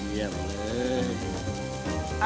เยี่ยมเลย